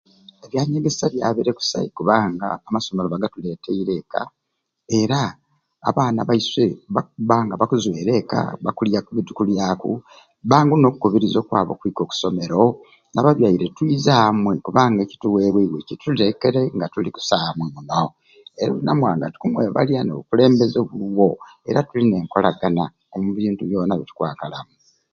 Ebyanyegesya byabire kusai kubanga amasomero bagatuleeteire eka era abaana baiswe bakubba nga bakukwera eka bakulya byetukulyaku bangu n'okubakubiriza okwika oku somero n'ababyaire twiza amwe kubanga ekituleteibwe kitulekere nga tuli kusai muno o namuwanga tukumwebalya n'obukulembeze obuliwo era tulina enkolagana omu bintu byona bitukwakalamu.